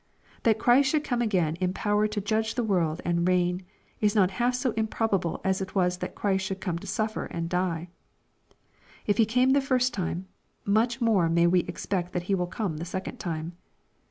That Christ should come again in power to judge the world and reign, is not half so im probable as it was that Christ should come to suffer and die. If He came the first time, much more may we ex pect that He will come the second time.